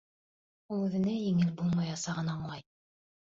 Ул үҙенә еңел булмаясағын аңлай.